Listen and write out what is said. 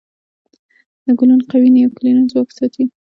د ګلوون قوي نیوکلیري ځواک ساتي.